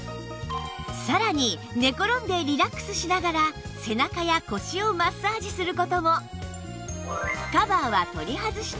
さらに寝転んでリラックスしながら背中や腰をマッサージする事も